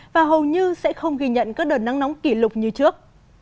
và hầu như sẽ không ghi nhận các đợt nắng nóng kỷ lục như trước